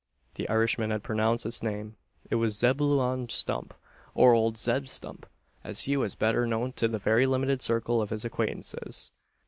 The Irishman had pronounced his name: it was Zebulon Stump, or "Old Zeb Stump," as he was better known to the very limited circle of his acquaintances.